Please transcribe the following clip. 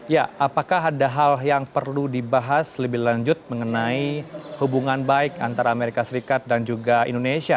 ya apakah ada hal yang perlu dibahas lebih lanjut mengenai hubungan baik antara amerika serikat dan juga indonesia